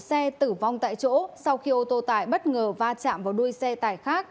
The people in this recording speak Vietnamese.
tài xế và phụ xe tử vong tại chỗ sau khi ô tô tải bất ngờ va chạm vào đuôi xe tải khác